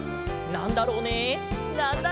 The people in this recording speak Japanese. なんだろうね？